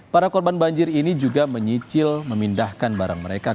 para korban banjir ini juga menyicil memindahkan barang mereka